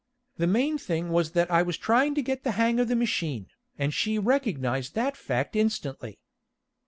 The main thing was that I was trying to get the hang of the machine, and she recognized that fact instantly.